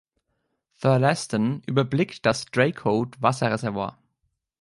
Thurlaston überblickt das Draycote-Wasserreservoir.